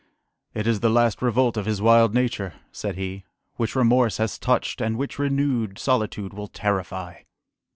"It is the last revolt of his wild nature," said he, "which remorse has touched, and which renewed solitude will terrify."